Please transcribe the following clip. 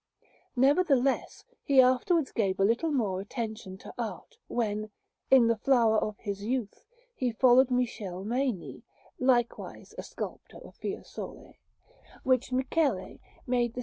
Nevertheless, he afterwards gave a little more attention to art, when, in the flower of his youth, he followed Michele Maini, likewise a sculptor of Fiesole; which Michele made the S.